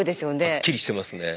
はっきりしてますね。